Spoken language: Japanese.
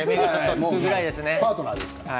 パートナーですからね。